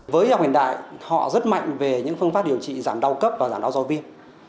với y học hiện đại họ rất mạnh về những phương pháp điều trị giảm đau cấp và giảm đau do viêm